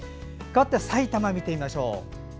かわってはさいたま見てみましょう。